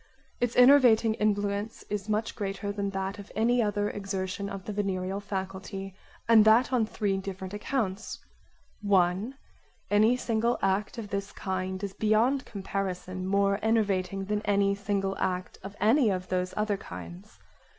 Its enervating influence is much greater than that of any other exertion of the venereal faculty, and that on three different accounts: 1) Any single act of this kind is beyond comparison more enervating than any single act of any of those other kinds.